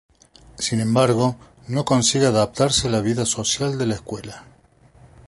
Sin embargo, no consigue adaptarse a la vida social de la escuela.